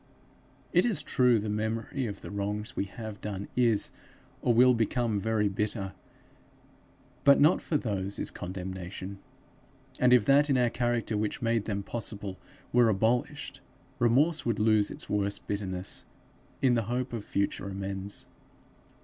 It is true the memory of the wrongs we have done is, or will become very bitter; but not for those is condemnation; and if that in our character which made them possible were abolished, remorse would lose its worst bitterness in the hope of future amends.